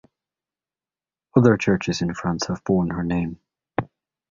Other churches in France have borne her name.